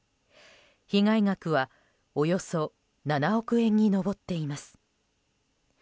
被害額はおよそ７億円に上っています。